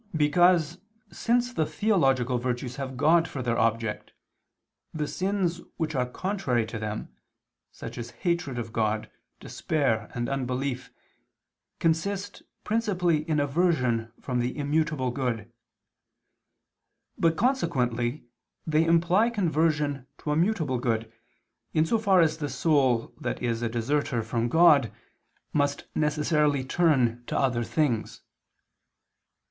Because, since the theological virtues have God for their object, the sins which are contrary to them, such as hatred of God, despair and unbelief, consist principally in aversion from the immutable good; but, consequently, they imply conversion to a mutable good, in so far as the soul that is a deserter from God, must necessarily turn to other things.